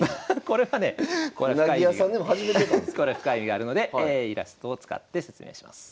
これは深い意味があるのでイラストを使って説明します。